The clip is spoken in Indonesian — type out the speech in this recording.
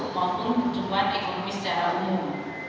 maupun pertumbuhan ekonomi secara umum